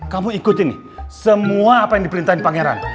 kamu ikutin nih semua apa yang diperintahin pangeran